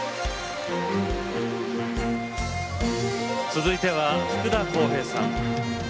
続いては福田こうへいさん。